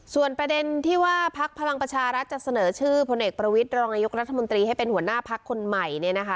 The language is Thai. ส่วนประเด็นที่ว่าพักพลังประชารัฐจะเสนอชื่อพลเอกประวิทย์รองนายกรัฐมนตรีให้เป็นหัวหน้าพักคนใหม่เนี่ยนะคะ